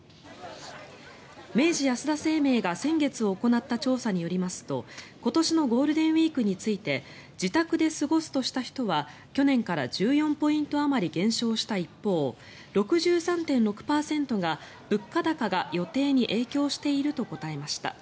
明治安田生命が先月行った調査によりますと今年のゴールデンウィークについて自宅で過ごすとした人は去年から１４ポイントあまり減少した一方６３．６％が物価高が予定に影響していると答えました。